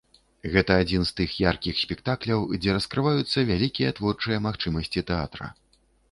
Гэта адзін з тых яркіх спектакляў, дзе раскрываюцца вялікія творчыя магчымасці тэатра.